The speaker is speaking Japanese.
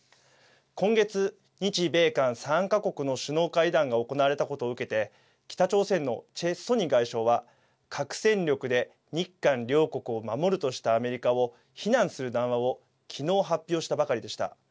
今月、日米韓３か国の首脳会談が行われたことを受けて北朝鮮のチェ・ソニ外相は核戦力で日韓両国を守るとしたアメリカを非難する談話を昨日発表したばかりでした。